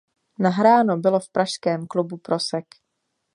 Nahráno bylo v pražském klubu Prosek.